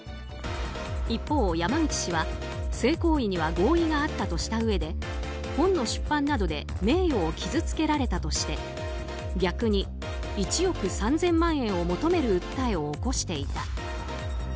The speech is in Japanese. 一方、山口氏は、性行為には合意があったとしたうえで本の出版などで名誉を傷つけられたとして逆に１億３０００万円を求める訴えを起こしていた。